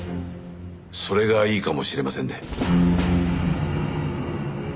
それがいいかもしれませんね。